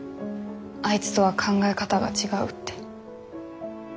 あいつとは考え方が違うって。